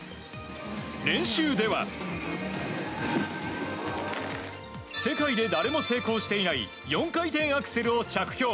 練習では世界で誰も成功していない４回転アクセルを着氷。